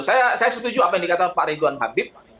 saya setuju apa yang dikatakan pak regon habib